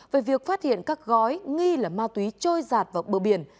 về việc phát hiện các gói nghi là ma túy trôi giạt vào bờ biển